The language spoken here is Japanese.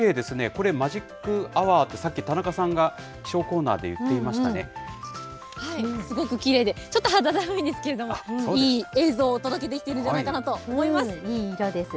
これ、マジックアワーって、さっき田中さんが気象コーナーで言っはい、すごくきれいで、ちょっと肌寒いんですけれども、いい映像をお届けできているんじゃないい色です。